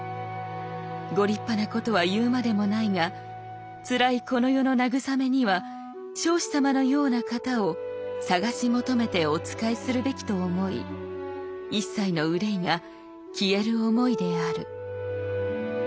ご立派なことは言うまでもないがつらいこの世の慰めには彰子様のような方を探し求めてお仕えするべきと思い一切の憂いが消える思いである」。